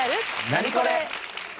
ナニコレ！